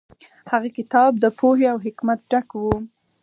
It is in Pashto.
هغه کتاب د پوهې او حکمت ډک و.